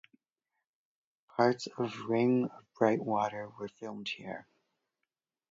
Parts of "Ring of Bright Water" were filmed here.